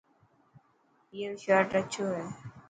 ائرو شرٽ اڇو هي.